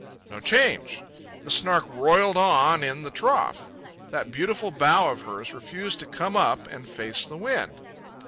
No change. The Snark roiled on in the trough. That beautiful bow of hers refused to come up and face the wind.